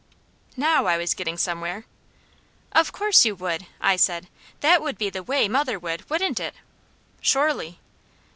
Now I was getting somewhere! "Of course you would!" I said. "That would be the WAY mother would, wouldn't it?" "Surely!"